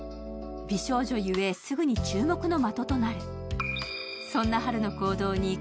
美少女ゆえ、すぐに注目の的となる。